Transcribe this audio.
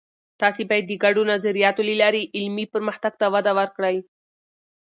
تاسې باید د ګډو نظریاتو له لارې علمي پرمختګ ته وده ورکړئ.